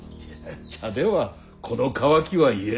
茶ではこの渇きは癒えぬ。